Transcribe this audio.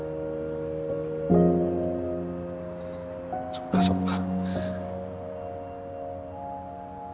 そっかそっか。